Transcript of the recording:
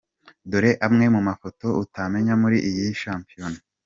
Dore amwe mu mafoto utamenye muri iyi shampiyona.